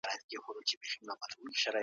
هغه مهال سوداګرو پوره امانتداري کوله.